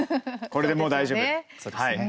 これでもう大丈夫。